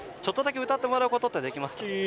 ちょっとだけ歌ってもらうことってできますか？